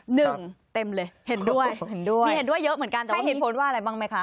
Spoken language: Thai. หนึ่งเต็มเลยเห็นด้วยเห็นด้วยมีเห็นด้วยเยอะเหมือนกันแต่ว่าเหตุผลว่าอะไรบ้างไหมคะ